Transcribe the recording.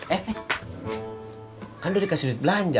eh kan udah dikasih duit belanja